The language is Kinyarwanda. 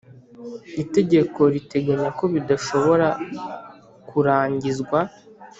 itegeko riteganya ko bidashobora kurangizwa